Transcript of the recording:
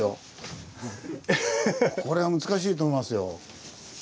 これは難しいと思いますよ。